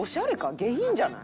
下品じゃない？